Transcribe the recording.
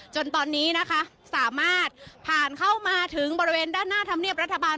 จนตอนนี้นะคะสามารถผ่านเข้ามาถึงบริเวณด้านหน้าธรรมเนียบรัฐบาล